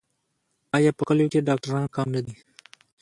آیا په کلیو کې ډاکټران کم نه دي؟